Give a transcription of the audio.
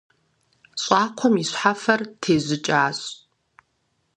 ЩӀакхъуэм и щхьэфэр тежьыкӀащ.